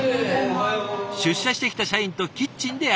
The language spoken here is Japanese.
出社してきた社員とキッチンで挨拶。